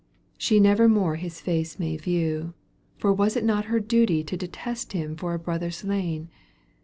She never more his face may view, >^For was it not her duty to ^ Detest him for a brother slain